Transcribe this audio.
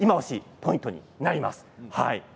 ポイントになります。